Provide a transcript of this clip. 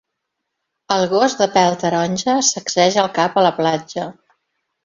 El gos de pel taronja sacseja el cap a la platja